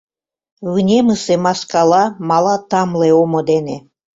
Вынемысе маскала мала тамле омо дене.